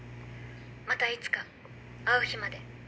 またいつか会う日まで。